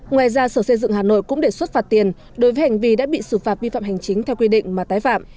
ngoài ra sở xây dựng hà nội cũng đề xuất phạt tiền đối với hành vi đã bị xử phạt vi phạm hành chính theo quy định mà tái phạm